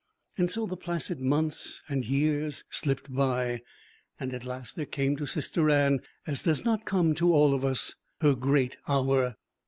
So the placid months and years slipped by, and at last there came to Sister Anne, as does not come to all of us, her great hour.